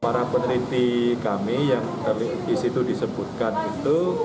para peneliti kami yang di situ disebutkan itu